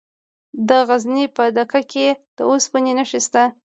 د غزني په ده یک کې د اوسپنې نښې شته.